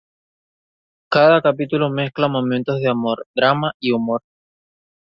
Cada capítulo mezcla momentos de amor, drama y humor.